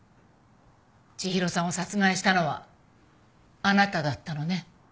千尋さんを殺害したのはあなただったのね。